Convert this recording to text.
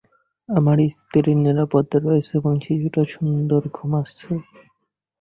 আমার স্ত্রী নিরাপদে রয়েছে এবং শিশুরা সুন্দর ঘুমোচ্ছে।